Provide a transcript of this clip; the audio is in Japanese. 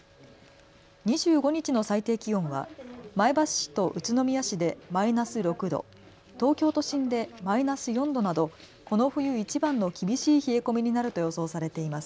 ２５日の最低気温は前橋市と宇都宮市でマイナス６度東京都心でマイナス４度などこの冬いちばんの厳しい冷え込みになると予想されています。